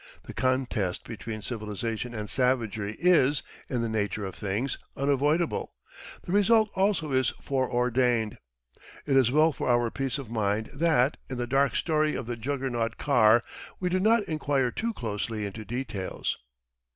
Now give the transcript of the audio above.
The contest between civilization and savagery is, in the nature of things, unavoidable; the result also is foreordained. It is well for our peace of mind that, in the dark story of the Juggernaut car, we do not inquire too closely into details.